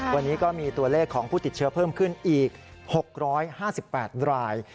วันนี้ก็มีตัวเลขของผู้ติดเชื้อเพิ่มขึ้นอีก๖๕๘ราย